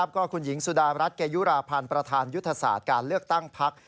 ก็คุณหญิงสุดารัฐเกยุราพันธ์ประธานยุทธศาสตร์การเลือกตั้งพัก